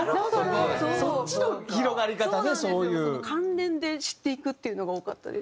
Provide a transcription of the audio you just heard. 関連で知っていくっていうのが多かったです。